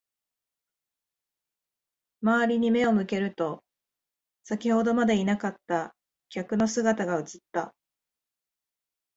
周りに目を向けると、先ほどまでいなかった客の姿が映った。